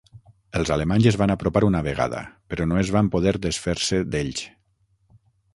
Els alemanys es van apropar una vegada, però no es van poder desfer-se d'ells.